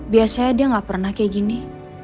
biasanya dia nggak pernah kayak gini